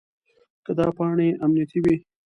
که دا پاڼې امنیتي وي.